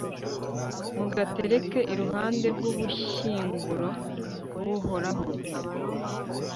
mugatereke iruhande rw'ubushyinguro bw'uhoraho